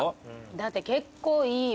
だって結構いい。